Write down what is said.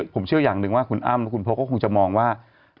ผมเชื่ออย่างหนึ่งว่าคุณอ้ำและคุณพ่อก็คงจะมองว่า